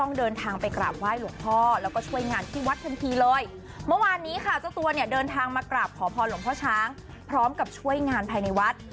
นี่ค่ะเจ้าตัวเดินทางมากราบขอพรหลงพ่อช้างพร้อมกับช่วยงานภายในวัด